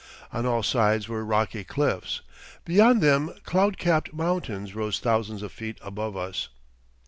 On all sides were rocky cliffs. Beyond them cloud capped mountains rose thousands of feet above us.